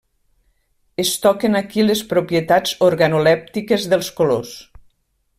Es toquen aquí les propietats organolèptiques dels colors.